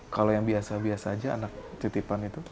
kalau yang biasa biasa aja anak titipan itu